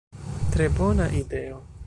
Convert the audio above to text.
Tre bona ideo!